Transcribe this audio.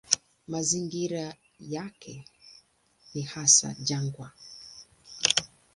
Mazingira yake ni hasa jangwa.